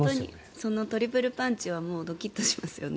そのトリプルパンチはドキッとしますよね。